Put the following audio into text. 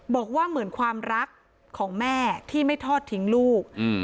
บอกว่าเหมือนความรักของแม่ที่ไม่ทอดทิ้งลูก